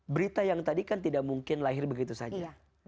berita yang tadi kan tidak mungkin lahir begitu saja